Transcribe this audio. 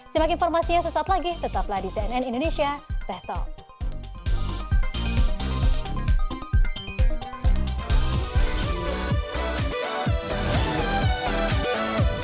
semoga informasinya sesat lagi tetaplah di cnn indonesia the talk